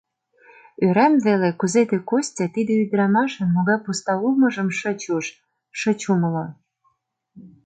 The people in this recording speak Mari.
Ӧрам веле, кузе тый Костя, тиде ӱдрамашын могай пуста улмыжым шыч уж, шыч умыло?